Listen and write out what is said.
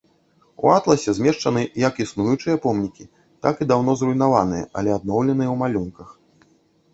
У атласе змешчаны як існуючыя помнікі, так і даўно зруйнаваныя, але адноўленыя ў малюнках.